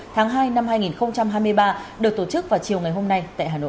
tháng hai năm hai nghìn hai mươi ba được tổ chức vào chiều ngày hôm nay tại hà nội